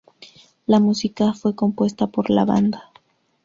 La música fue compuesta por la banda.